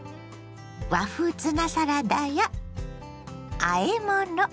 和風ツナサラダやあえ物。